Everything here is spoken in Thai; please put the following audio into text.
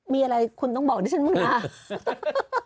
มีอะไรคุณต้องบอกให้ฉันมา